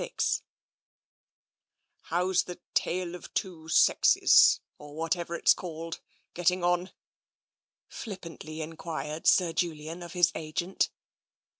VI " How's the ' Tale of Two Sexes/ or whatever it's called, getting on ?" flippantly enquired Sir Julian of his agent.